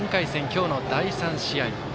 今日の第３試合。